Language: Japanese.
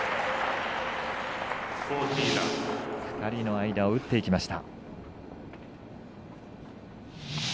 ２人の間を打っていきました。